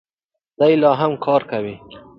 دی لا هم کار کوي.